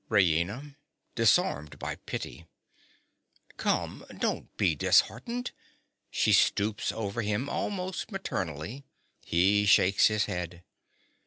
_) RAINA. (disarmed by pity). Come, don't be disheartened. (_She stoops over him almost maternally: he shakes his head.